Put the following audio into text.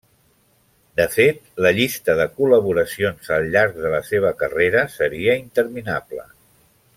De fet, la llista de col·laboracions al llarg de la seva carrera seria interminable.